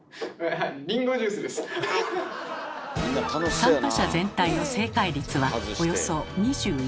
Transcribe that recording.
参加者全体の正解率はおよそ２１％。